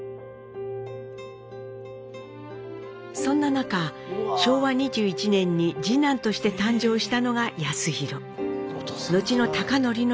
そんな中昭和２１年に次男として誕生したのが康宏。